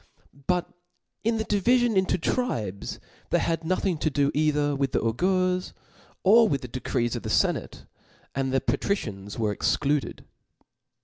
But in the divifion into tribes they had nothing to do either with the augurs or with the decrees of the ienate ; and the patricians were excluded.